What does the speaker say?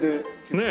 ねえ。